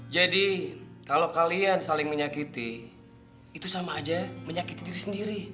jadi kalau kalian saling menyakiti itu sama aja menyakiti diri sendiri